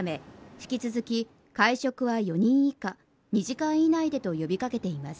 引き続き会食は４人以下２時間以内でと呼びかけています